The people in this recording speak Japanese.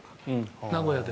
名古屋で。